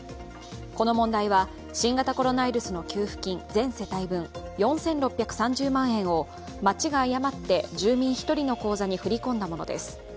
この問題は、新型コロナウイルスの給付金、全世帯分４６３０万円を町が誤って住民１人の口座に振り込んだものです。